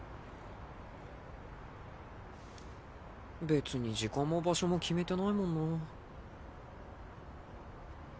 別に時間も場所も決めてないもんな。